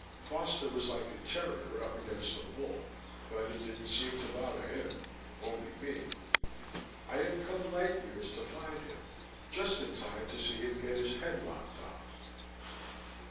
Foster was like a terrier up against a bull, but it didn't seem to bother him only me. I had come light years to find him, just in time to see him get his head lopped off.